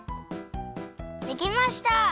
できました！